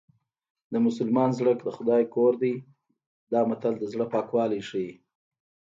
د مسلمان زړه د خدای کور دی متل د زړه پاکوالی ښيي